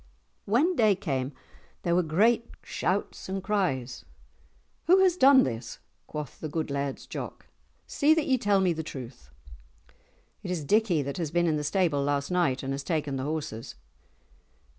When day came, there were great shouts and cries. "Who has done this," quoth the good Laird's Jock; "see that ye tell me the truth." "It is Dickie that has been in the stable last night, and has taken the horses."